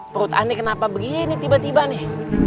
perut anda kenapa begini tiba tiba nih